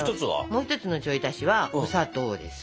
もう一つのちょい足しはお砂糖です。